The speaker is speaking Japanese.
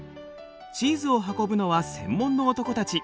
チーズを運ぶのは専門の男たち。